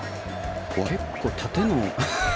結構、縦の。